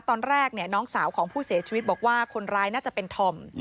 ตอนแรกน้องสาวของผู้เสียชีวิตบอกว่าคนร้ายน่าจะเป็นธอม